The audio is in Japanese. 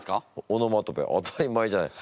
オノマトペ当たり前じゃない。